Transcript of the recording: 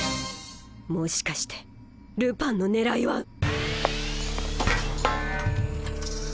もしかしてルパンの狙いは。